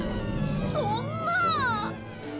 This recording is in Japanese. そんな。